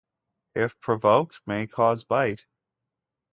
If provoked may cause bite.